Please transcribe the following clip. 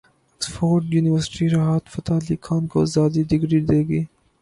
Oxford university Rahat Fateh Ali Khan کو اعزازی degree دے گی